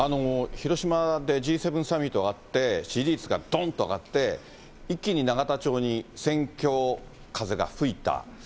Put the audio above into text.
広島でＧ７サミットがあって、支持率がどんと上がって、一気に永田町に選挙風が吹いた。